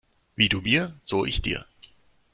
Wie du mir, so ich dir.